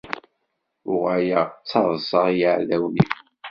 Uɣaleɣ d taḍsa i yiεdawen-iw.